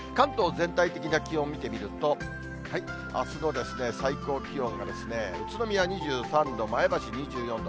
全体的な気温見てみると、あすの最高気温が宇都宮２３度、前橋２４度。